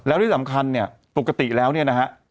แล้วที่สำคัญเนี่ยปกติแล้วเนี่ยนะฮะ